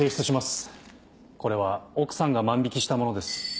これは奥さんが万引したものです。